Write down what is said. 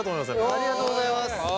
ありがとうございます。